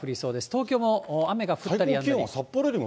東京も雨が降ったりやんだり。